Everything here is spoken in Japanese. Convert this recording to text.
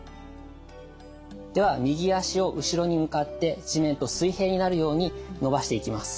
では右脚を後ろに向かって地面と水平になるように伸ばしていきます。